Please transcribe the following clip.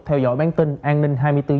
theo dõi bản tin an ninh hai mươi bốn h